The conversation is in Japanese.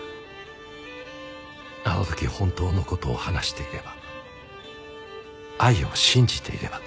あの時本当の事を話していれば愛を信じていれば。